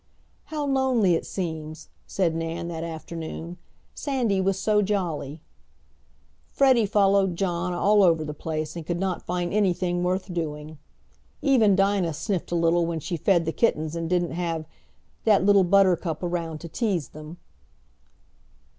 "How lonely it seems," said Nan that afternoon. "Sandy was so jolly." Freddie followed John all over the place, and could not find anything worth doing. Even Dinah sniffed a little when she fed the kittens and didn't have "dat little buttercup around to tease dem."